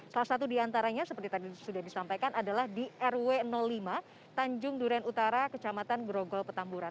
salah satu diantaranya seperti tadi sudah disampaikan adalah di rw lima tanjung duren utara kecamatan grogol petamburan